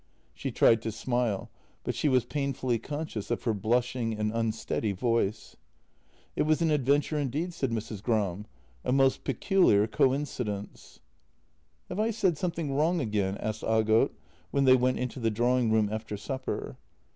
She tried to smile, but she was painfully conscious of her blushing and unsteady voice. " It was an adventure, indeed," said Mrs. Gram. " A most peculiar coincidence." " Have I said something wrong again? " asked Aagot when they went into the drawing room after supper.